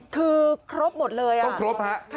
คือครบหมดเลยอ่ะต้องครบครับ